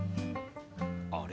あれ？